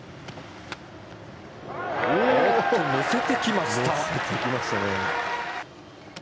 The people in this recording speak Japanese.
乗せてきました。